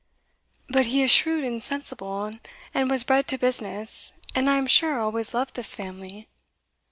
"But he is shrewd and sensible, and was bred to business, and, I am sure, always loved this family."